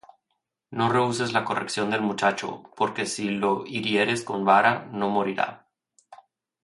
No rehuses la corrección del muchacho: Porque si lo hirieres con vara, no morirá.